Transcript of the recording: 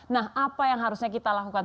nah apa yang harusnya kita lakukan